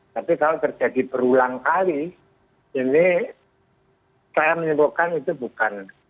tapi kalau terjadi berulang kali ini saya menyimpulkan itu bukan